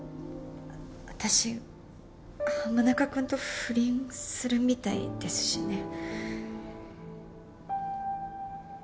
私浜中君と不倫するみたいですしね。